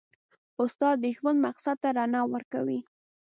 استاد د ژوند مقصد ته رڼا ورکوي.